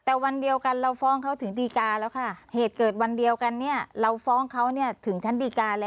แต่วันเดียวกันเราฟ้องเขาถึงดีกาแล้วค่ะเหตุเกิดวันเดียวกันเนี่ยเราฟ้องเขาเนี่ยถึงชั้นดีการแล้ว